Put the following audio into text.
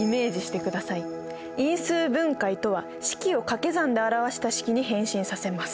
因数分解とは式をかけ算で表した式に変身させます。